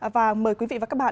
và mời quý vị và các bạn